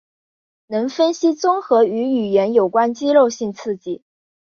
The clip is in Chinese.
能分析综合与语言有关肌肉性刺激。